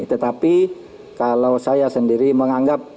tetapi kalau saya sendiri menganggap